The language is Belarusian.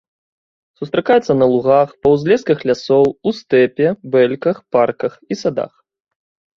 Сустракаецца на лугах, па ўзлесках лясоў, у стэпе, бэльках, парках і садах.